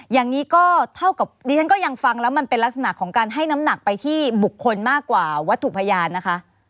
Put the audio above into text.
อย่างนี้ก็เท่ากับดิฉันก็ยังฟังแล้วมันเป็นลักษณะของการให้น้ำหนักไปที่บุคคลมากกว่าวัตถุพยานนะคะ